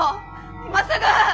今すぐッ！